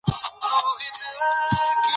دستګاه ژر فعاله شوه.